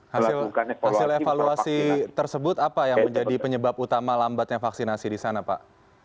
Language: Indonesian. hasil evaluasi tersebut apa yang menjadi penyebab utama lambatnya vaksinasi di sana pak